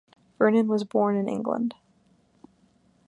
Vernon was born in England.